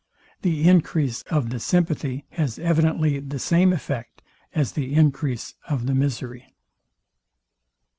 The encrease of the sympathy has evidently the same effect as the encrease of the misery.